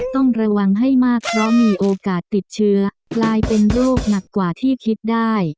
ต้องระวังให้มากเพราะมีโอกาสติดเชื้อกลายเป็นโรคหนักกว่าที่คิดได้